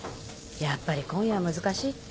やっぱり今夜は難しいって。